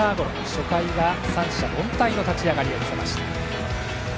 初回は三者凡退の立ち上がりを見せました。